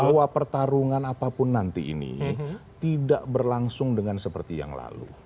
bahwa pertarungan apapun nanti ini tidak berlangsung dengan seperti yang lalu